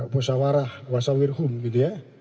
wasawarah wasawirhum gitu ya